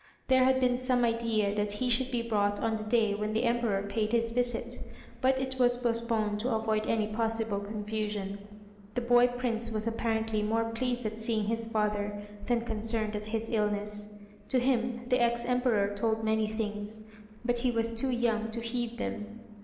There had been some idea that he should be brought on the day when the Emperor paid his visit, but it was postponed to avoid any possible confusion. The boy Prince was apparently more pleased at seeing his father than concerned at his illness. To him the ex Emperor told many things, but he was too young to heed them.